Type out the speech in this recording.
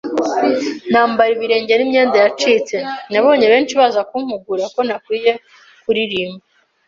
nambara ibirenge n’imyenda yacitse. Nabonye benshi baza kumpugura ko ntakwiriye kuririmba